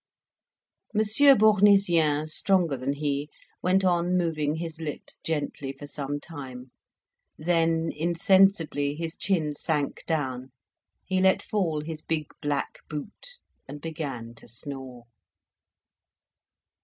Monsieur Bournisien, stronger than he, went on moving his lips gently for some time, then insensibly his chin sank down, he let fall his big black boot, and began to snore.